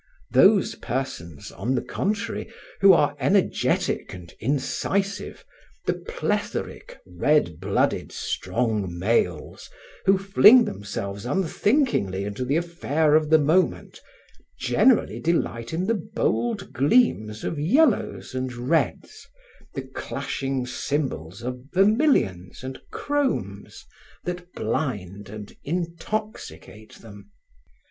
Those persons, on the contrary, who are energetic and incisive, the plethoric, red blooded, strong males who fling themselves unthinkingly into the affair of the moment, generally delight in the bold gleams of yellows and reds, the clashing cymbals of vermilions and chromes that blind and intoxicate them.